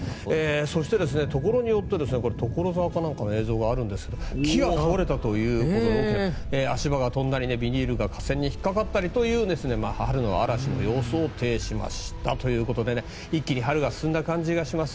そして、ところによって所沢か何かの映像があるんですが木が倒れたということで足場が飛んだり、ビニールが架線に引っかかったりという春の嵐の様相を呈しましたということで一気に春が進んだ感じがします。